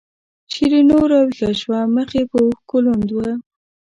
شیرینو راویښه شوه مخ یې په اوښکو لوند و.